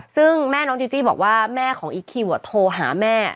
ซึ่งแม่น้องจีจี้บอกว่าแม่ของอีคคิวโทรหาแม่